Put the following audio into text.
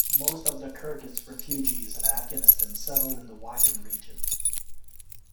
Most of the Kyrgyz refugees in Afghanistan settled in the Wakhan region.